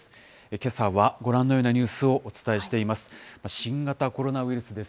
けさはご覧のようなニュースをお伝えしています。